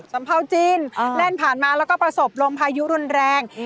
สัมเภาจีนแล่นผ่านมาแล้วก็ประสบลมพายุรุนแรง